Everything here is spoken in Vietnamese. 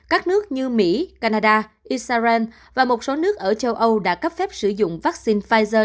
các nước như mỹ canada israel và một số nước ở châu âu đã cấp phép sử dụng vaccine